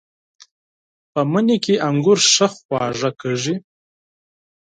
په مني کې انګور ښه خواږه کېږي.